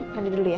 mandi dulu ya